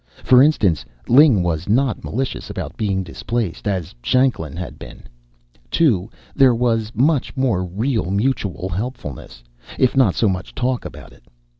For instance, Ling was not malicious about being displaced, as Shanklin had been. Too, there was much more real mutual helpfulness, if not so much talk about it.